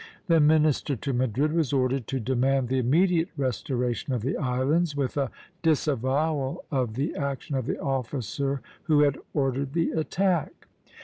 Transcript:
The minister to Madrid was ordered to demand the immediate restoration of the islands, with a disavowal of the action of the officer who had ordered the attack.